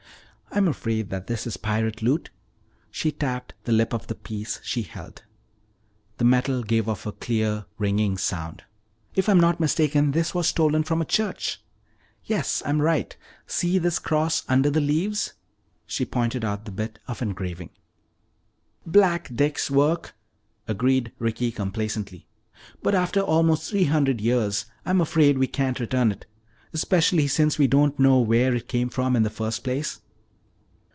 "I'm afraid that this is pirate loot." She tapped the lip of the piece she held. The metal gave off a clear ringing sound. "If I'm not mistaken, this was stolen from a church. Yes, I'm right; see this cross under the leaves?" She pointed out the bit of engraving. "Black Dick's work," agreed Ricky complacently. "But after almost three hundred years I'm afraid we can't return it. Especially since we don't know where it came from in the first place."